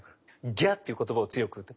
「ギャ」っていう言葉を強く言って。